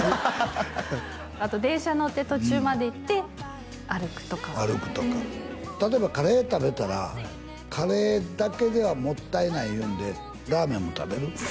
あと電車乗って途中まで行って歩くとか歩くとか例えばカレー食べたらカレーだけではもったいないいうんでラーメンも食べる？